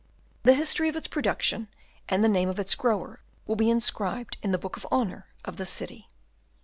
"The history of its production, and the name of its grower, will be inscribed in the book of honour of the city.